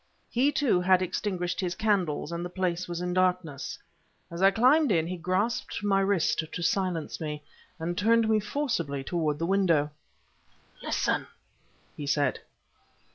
He, too, had extinguished his candles, and the place was in darkness. As I climbed in, he grasped my wrist to silence me, and turned me forcibly toward the window. "Listen!" he said.